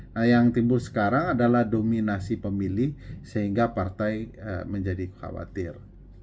nah yang timbul sekarang adalah dominasi pemilih sehingga partai menjadi khawatir